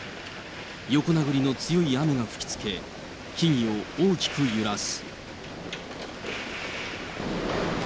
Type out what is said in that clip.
横殴りの強い雨が吹きつけ、木々を大きく揺らす。